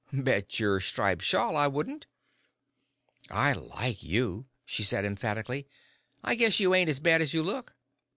"Bet your striped shawl I wouldn't." "I like you," she said, emphatically. "I guess you ain't as bad as you look."